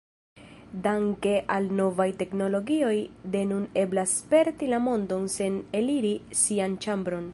Danke al novaj teknologioj, de nun eblas sperti la mondon sen eliri sian ĉambron.